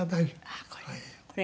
あっこれ。